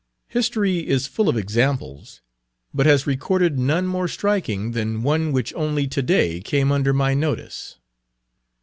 History is full of examples, but has recorded none more striking than one which only to day came under my notice."